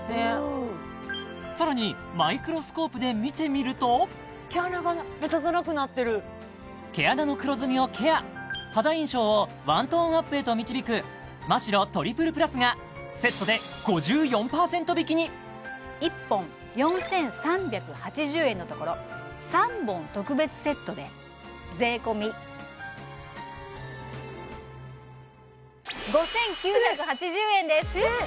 うんさらにマイクロスコープで見てみると毛穴が目立たなくなってる毛穴の黒ずみをケア肌印象をワントーンアップへと導くマ・シロトリプルプラスが１本４３８０円のところ３本特別セットで税込５９８０円ですえっ！？